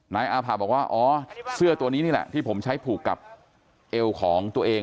อาภาบอกว่าอ๋อเสื้อตัวนี้นี่แหละที่ผมใช้ผูกกับเอวของตัวเอง